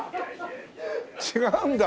違うんだ。